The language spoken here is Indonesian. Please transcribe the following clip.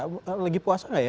kalian lagi puasa gak ya